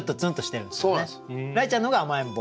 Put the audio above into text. らいちゃんの方が甘えん坊。